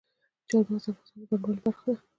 چار مغز د افغانستان د بڼوالۍ برخه ده.